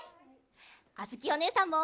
あづきおねえさんも！